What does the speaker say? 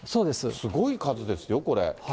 すごい数ですよ、これ。